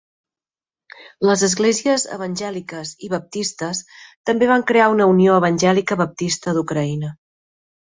Les esglésies evangèliques i baptistes també van crear una unió evangèlica baptista d'Ucraïna.